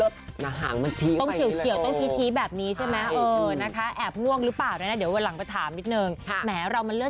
ชอบไอนเลนเตอร์แบบนี้มันเลิศมันห่างมันชี้